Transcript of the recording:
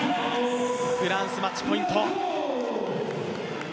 フランス、マッチポイント。